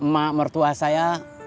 mak mertua saya